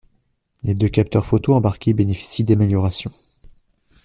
Les deux capteurs photo embarqués bénéficient d'améliorations.